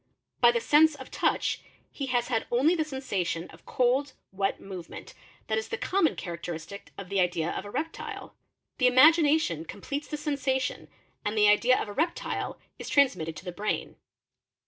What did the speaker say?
By the sense of touch he has had only the sensation of cold, V vet, movement, that is the common characteristic of the idea of a reptile. e imagination completes the sensation and the idea of a reptile is Psnsmitio' to the brain.